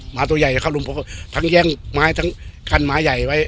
หมาตัวใหญ่จะเข้ารุมเขาก็ทั้งแย่งไม้ทั้งคันหมาใหญ่ไว้